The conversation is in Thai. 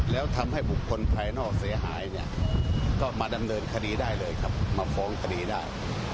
แล้วทำให้บุคคลภายนอกเสียหายเนี่ยก็มาดำเนินคดีได้เลยครับมาฟ้องคดีได้